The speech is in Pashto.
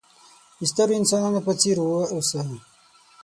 د سترو انسانانو په څېر وه اوسه!